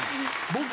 僕。